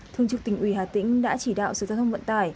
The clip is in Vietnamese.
thương trực tỉnh uy hà tĩnh đã chỉ đạo sự giao thông vận tải